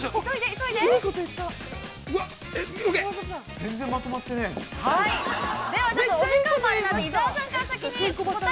◆全然まとまってねえ。